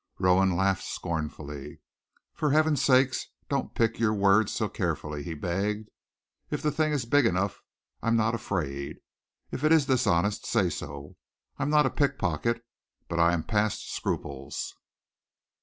Rowan laughed scornfully. "For Heaven's sake, don't pick your words so carefully," he begged. "If the thing is big enough, I am not afraid. If it is dishonest, say so. I am not a pickpocket, but I am past scruples."